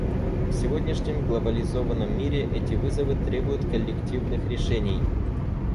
В сегодняшнем глобализованном мире эти вызовы требуют коллективных решений.